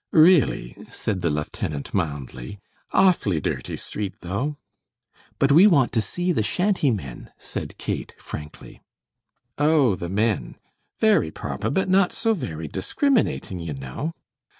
"Really," said the lieutenant, mildly, "awfully dirty street, though." "But we want to see the shantymen," said Kate, frankly. "Oh, the men! Very proper, but not so very discriminating, you know."